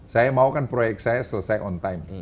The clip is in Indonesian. saya mau kan proyek saya selesai on time